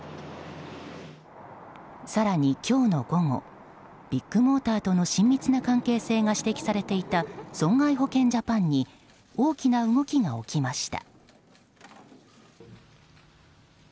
更に、今日の午後ビッグモーターとの親密な関係性が指摘されていた損害保険ジャパンに大きな動きが起きました。